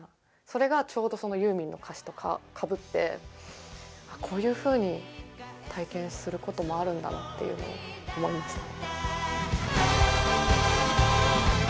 それがちょうどユーミンの歌詞とかぶってこういうふうに体験することもあるんだなって思いました。